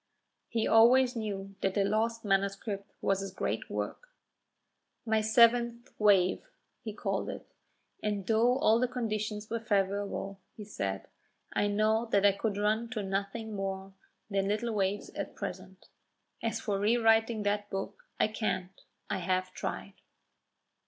He always knew that the lost manuscript was his great work. "My seventh wave," he called it; "and though all the conditions were favourable," he said, "I know that I could run to nothing more than little waves at present. As for rewriting that book, I can't; I have tried."